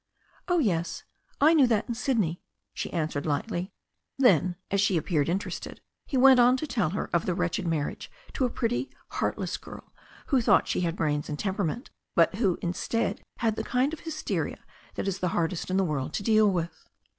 "Oh, yes. I knew that in Sydney," she answered lightly. Then, as she appeared interested, he went on to tell her of the wretched marriage to a pretty, heartless girl who thought she had brains and temperament, but who had in stead the kind of hysteria that is the hardest in the world to deal with.